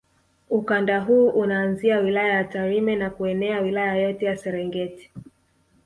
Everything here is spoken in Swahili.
Ukanda huu unaanzia wilaya ya Tarime na kuenea Wilaya yote ya Serengeti